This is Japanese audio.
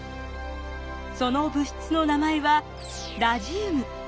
その物質の名前はラジウム。